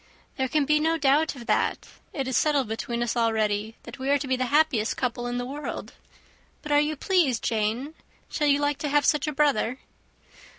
"There can be no doubt of that. It is settled between us already that we are to be the happiest couple in the world. But are you pleased, Jane? Shall you like to have such a brother?"